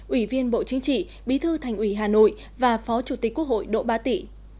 ủy viên bộ chính trị bí thư thành ủy hà nội và phó chủ tịch quốc hội đỗ ba tị